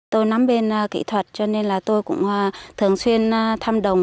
tôi nắm bên kỹ thuật cho nên là tôi cũng thường xuyên thăm đồng